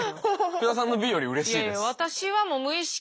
福田さんのＢよりうれしいです。